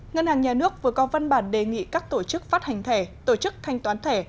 ngân hàng nhà nước vừa có văn bản đề nghị các tổ chức phát hành thẻ tổ chức thanh toán thẻ